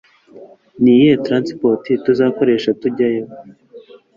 Ni iyihe Transport tuzakoresha tujyayo